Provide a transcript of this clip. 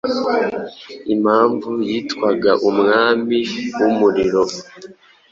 Impamvu yitwaga Umwami w’umuriro,